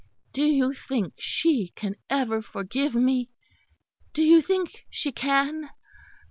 Do you think she can ever forgive me? Do you think she can?